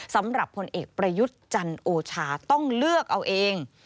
สำหรับผลเอกประยุทธ์จันโอชาต้องเลือกเอาเอง